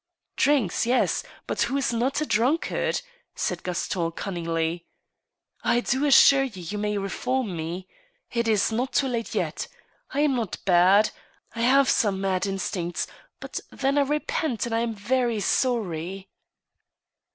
" Drinks — yes. But who is not a drupl^afd," said Gaston, cun ningly. " I do assure you you may reform me. It is not too late yet. I am not bad. I have some mad instincts, but then I repent and I am very sorry.'